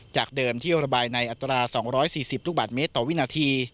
จากเดิมที่ระบายในอัตรา๒๔๐ลูกบาทเมตรต่อวินาที